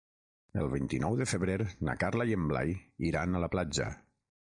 El vint-i-nou de febrer na Carla i en Blai iran a la platja.